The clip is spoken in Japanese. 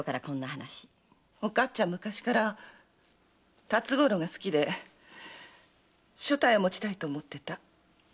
おかつちゃんは昔から辰五郎が好きで所帯を持ちたいと思ってた。